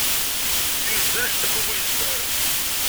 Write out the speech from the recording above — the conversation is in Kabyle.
Yuzzel anect akk umi yezmer.